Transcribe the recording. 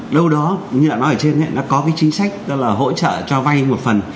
lâu đó như là nói ở trên ấy nó có cái chính sách đó là hỗ trợ cho vay một phần